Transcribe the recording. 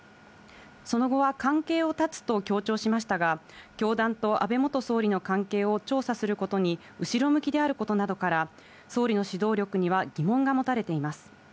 その後は、関係を断つと強調しましたが、教団と安倍元総理の関係を調査することに後ろ向きであることなどから、総理の指導力には疑問が持たれています。